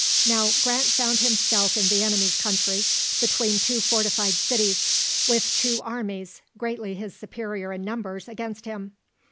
Now Grant found himself in the enemy's country, between two fortified cities, with two armies, greatly his superior in numbers, against him.